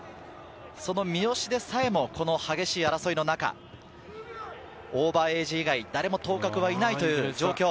その三好でさえも、この激しい争いの中オーバーエイジ以外、誰も当確はいないという状況。